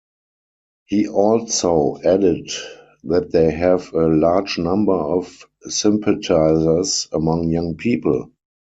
He also added that they have a large number of sympathizers among young people.